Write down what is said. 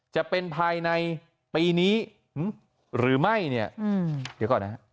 จะเป็นภายในปีนี้หรือไม่เนี่ยเดี๋ยวก่อนนะฮะ